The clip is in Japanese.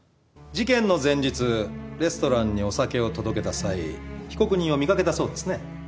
事件の前日レストランにお酒を届けた際被告人を見掛けたそうですね？